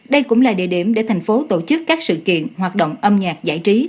đây cũng là địa điểm để thành phố tổ chức các sự kiện hoạt động âm nhạc giải trí